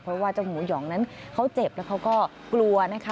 เพราะว่าเจ้าหมูหยองนั้นเขาเจ็บแล้วเขาก็กลัวนะคะ